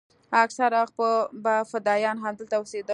اکثره وخت به فدايان همدلته اوسېدل.